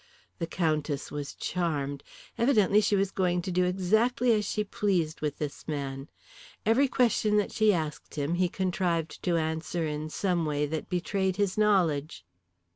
The Countess was charmed. Evidently she was going to do exactly as she pleased with this man. Every question that she asked him he contrived to answer in some way that betrayed his knowledge.